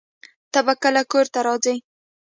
ته به کله کور ته راځې؟